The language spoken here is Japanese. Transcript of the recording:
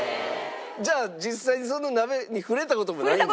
じゃあ実際にその鍋に触れた事もないんですか？